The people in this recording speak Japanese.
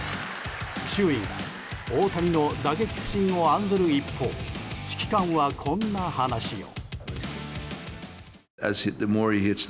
周囲が大谷の打撃不振を案ずる一方指揮官はこんな話を。